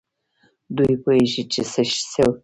دوی پوهېږي چي څه کوي.